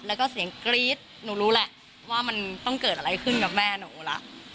แล้วก็เสียงกรี๊ดหนูรู้แหละว่ามันต้องเกิดอะไรขึ้นกับแม่หนูละ